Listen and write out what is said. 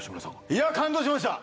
いや感動しました！